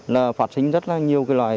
là phát sinh rất là nhiều loài